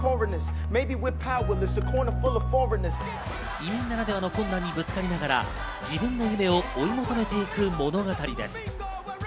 移民ならではの困難にぶつかりながら、自分の夢を追い求めていく物語です。